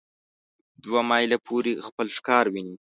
دوه مایله پورې خپل ښکار ویني.